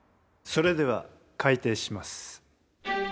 それでは開廷します。